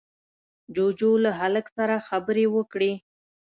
جُوجُو له هلک سره خبرې وکړې.